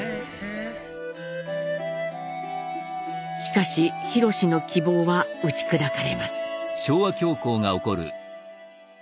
しかし廣の希望は打ち砕かれます。